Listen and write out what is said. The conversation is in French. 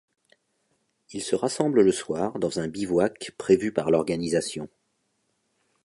Ils se rassemblent le soir dans un bivouac prévu par l'organisation.